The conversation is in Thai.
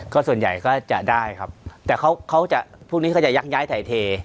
ก็ส่วนใหญ่ก็จะได้ครับแต่พวกนี้ก็จะยักษ์ย้ายไถเท